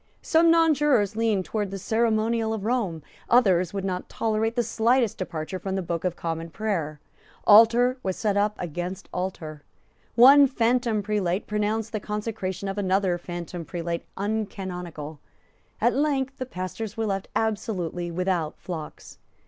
Some nonjurors leaned towards the ceremonial of Rome; others would not tolerate the slightest departure from the Book of Common Prayer. Altar was set up against altar. One phantom prelate pronounced the consecration of another phantom prelate uncanonical. At length the pastors were left absolutely without flocks.